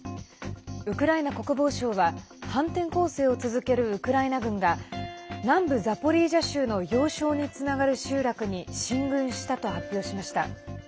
ウクライナ国防省は反転攻勢を続けるウクライナ軍が南部ザポリージャ州の要衝につながる集落に進軍したと発表しました。